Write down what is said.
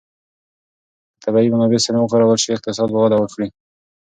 که طبیعي منابع سمې وکارول شي، اقتصاد به وده وکړي.